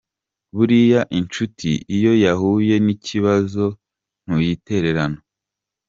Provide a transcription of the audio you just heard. Buriya inshuti iyo yahuye n’ikibazo ntuyitererana.